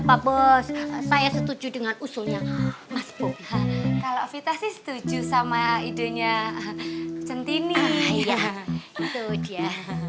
pak bos saya setuju dengan usulnya mas boga kalau vita sih setuju sama idenya centini iya itu dia